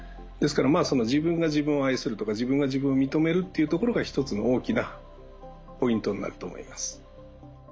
ですから自分が自分を愛するとか自分が自分を認めるというところが一つの大きなポイントになると思います。